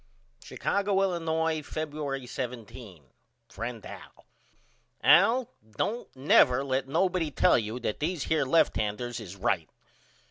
Chicago, Illinois, Febuery 17. FRIEND AL: Al don't never let nobody tell you that these here lefthanders is right.